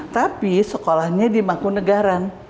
tapi sekolahnya di mangkunagaran